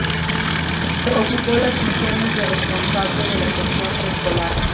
Ocupó las funciones de responsable de la sección preescolar.